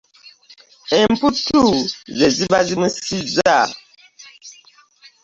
Emputtu ze ziba zimusizza .